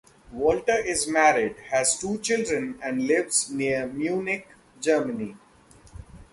Walter is married, has two children, and lives near Munich, Germany.